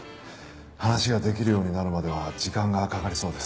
話ができるようになるまでは時間がかかりそうです。